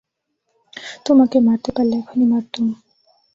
তোমাকে মারতে পারলে এখনই মারতুম।